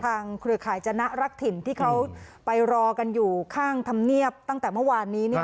เครือข่ายจนะรักถิ่นที่เขาไปรอกันอยู่ข้างธรรมเนียบตั้งแต่เมื่อวานนี้